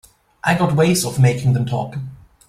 I got ways of making them talk.